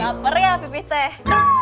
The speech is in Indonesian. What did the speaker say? laper ya pipih teh